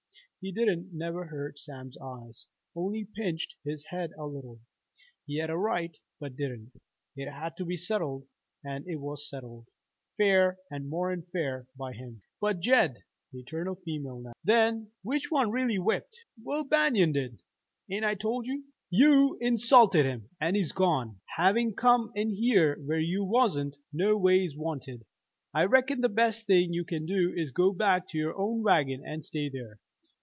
He didn't never hurt Sam's eyes, only pinched his head a little. He had a right, but didn't. It had to be settled and it was settled, fair and more'n fair, by him." "But, Jed" the eternal female now "then, which one really whipped?" "Will Banion did, ain't I told you? You insulted him, and he's gone. Having come in here where you wasn't no ways wanted, I reckon the best thing you can do is to go back to your own wagon and stay there.